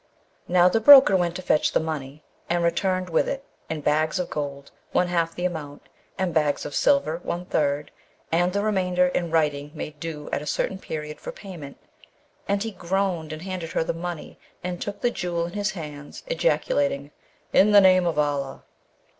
Now the broker went to fetch the money, and returned with it in bags of gold one half the amount, and bags of silver one third, and the remainder in writing made due at a certain period for payment. And he groaned and handed her the money, and took the Jewel in his hands; ejaculating, 'In the name of Allah!'